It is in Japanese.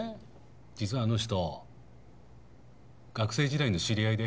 実はあの人学生時代の知り合いで。